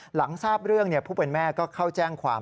หลังทราบเรื่องผู้เป็นแม่ก็เข้าแจ้งความ